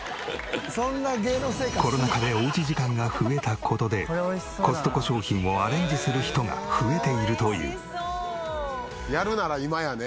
コロナ禍でおうち時間が増えた事でコストコ商品をアレンジする人が増えているという。